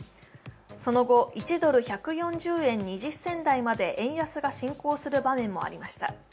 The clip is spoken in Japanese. その後、１ドル＝１４０円２０銭台まで円安が進行する場面もありました。